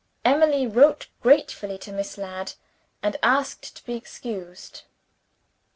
Emily wrote gratefully to Miss Ladd, and asked to be excused.